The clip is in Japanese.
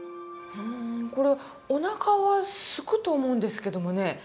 これおなかはすくと思うんですけどもね。